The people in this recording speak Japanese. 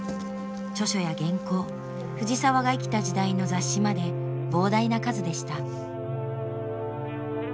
著書や原稿藤澤が生きた時代の雑誌まで膨大な数でした。